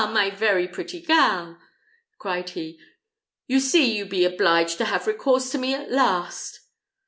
my very pretty gal," cried he, "you see you be obliged to have recourse to me at last."